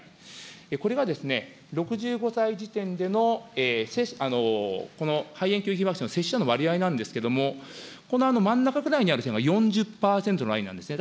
これが６５歳時点でのこの肺炎球菌ワクチンの接種者の割合なんですけど、この真ん中ぐらいにある線が４０％のラインなんですね。